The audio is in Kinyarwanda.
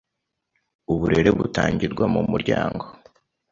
uburere butangirwa mu muryango